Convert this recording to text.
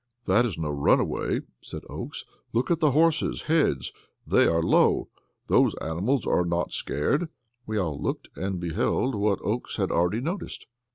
"That is no runaway," said Oakes. "Look at the horses' heads they are low. Those animals are not scared." We all looked, and beheld what Oakes had already noticed.